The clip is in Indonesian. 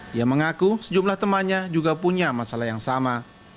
dia mengaku sejumlah temannya juga punya masalah yang sama